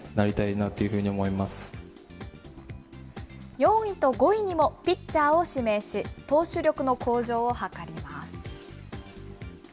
４位と５位にもピッチャーを指名し、投手力の向上を図ります。